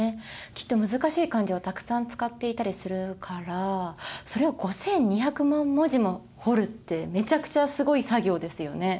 きっと難しい漢字をたくさん使っていたりするからそれを５，２００万文字も彫るってめちゃくちゃすごい作業ですよね。